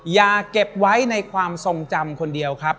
อย่าเก็บไว้ในความทรงจำคนเดียวครับ